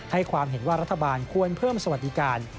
ความเห็นว่ารัฐบาลควรเพิ่มสวัสดิการ